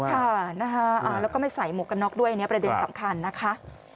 ค่ะแล้วก็ไม่ใส่หมวกนอกด้วยประเด็นสำคัญนะคะ